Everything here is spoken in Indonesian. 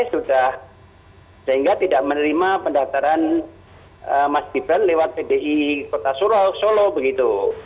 sehingga tidak menerima pendaftaran mas gibran lewat pdi kota solo begitu